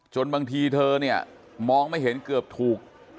บางทีเธอเนี่ยมองไม่เห็นเกือบถูก